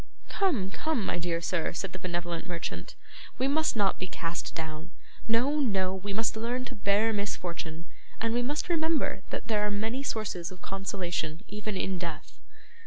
'Come, come, my dear sir,' said the benevolent merchant; 'we must not be cast down; no, no. We must learn to bear misfortune, and we must remember that there are many sources of consolation even in death.